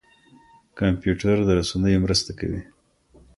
کمپيوټر د رسنيو مرسته کوي.